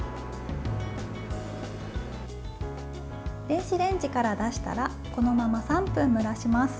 電子レンジから出したらこのまま３分蒸らします。